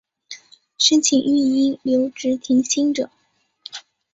申请育婴留职停薪者